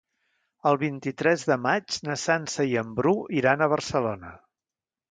El vint-i-tres de maig na Sança i en Bru iran a Barcelona.